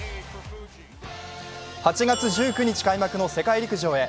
８月１９日開幕の世界陸上へ。